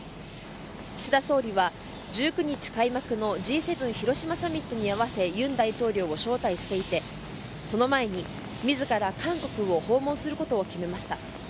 岸田総理は１９日開幕のＧ７広島サミットに合わせ尹大統領を招待していてその前に自ら韓国を訪問することを決めました。